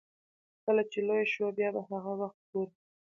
کله چې لويه شوه بيا به هغه وخت ګورو.